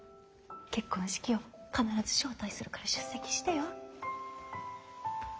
結婚式よ必ず招待するから出席してよ。